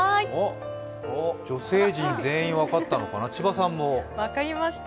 女性陣全員分かったのかな千葉さんも分かった？